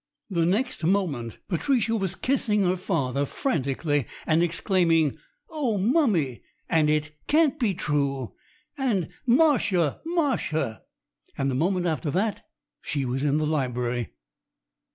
The next moment Patricia was kissing her father frantically and exclaiming: "Oh, mummy!" and "It can't be true!" and "Martia, Martia!" and the mo ment after she was in the library.